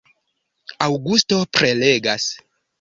Aŭgusto prelegas.